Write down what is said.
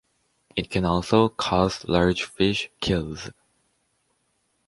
It can also cause large fish kills.